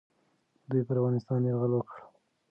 دوی پر افغانستان یرغل وکړ.